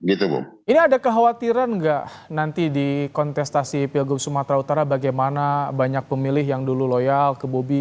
ini ada kekhawatiran nggak nanti di kontestasi pilgub sumatera utara bagaimana banyak pemilih yang dulu loyal ke bobi